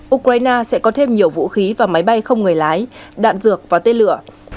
ukraine sẽ có thêm nhiều vũ khí và máy bay không người lái đạn dược và tên lửa